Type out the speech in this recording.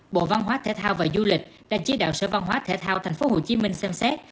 bộ văn hóa thể thao và du lịch đã chỉ đạo sở văn hóa thể thao tp hcm xem xét